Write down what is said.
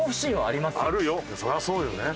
そりゃそうよね。